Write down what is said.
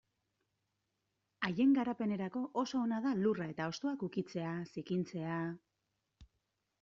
Haien garapenerako oso ona da lurra eta hostoak ukitzea, zikintzea...